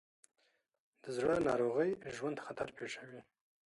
د زړه ناروغۍ ژوند ته خطر پېښوي.